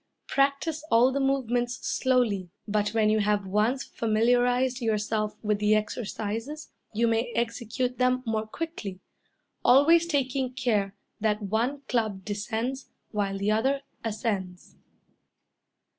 Practice all the movements slowly; but when you have once familiarized yourself with the exercises you may execute them more quickly, always taking care that one club descends while the other ascends.